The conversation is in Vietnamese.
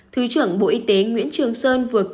thứ trưởng bộ y tế nguyễn trường sơn vừa kết thúc